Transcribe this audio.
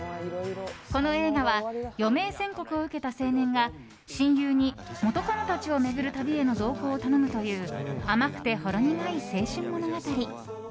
この映画は余命宣告を受けた青年が親友に、元カノたちを巡る旅への同行を頼むという甘くてほろ苦い青春物語。